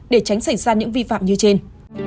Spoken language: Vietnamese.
để tránh xảy ra những vi phạm như trên